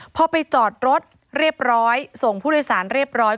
พอไปจอดรถเรียบร้อยส่งผู้โดยสารเรียบร้อย